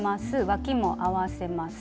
わきも合わせます。